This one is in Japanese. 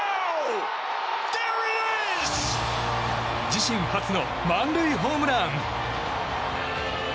自身初の満塁ホームラン！